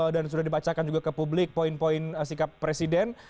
dan sudah dibacakan juga ke publik poin poin sikap presiden